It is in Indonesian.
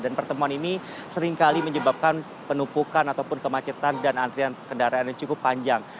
dan pertemuan ini seringkali menyebabkan penupukan ataupun kemacetan dan antrian kendaraan yang cukup panjang